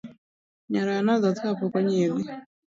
Nyaroya nodhoth kapok onyiedhi